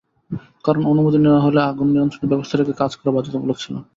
কারণ, অনুমতি নেওয়া হলে আগুন নিয়ন্ত্রণের ব্যবস্থা রেখে কাজ করা বাধ্যতামূলক ছিল।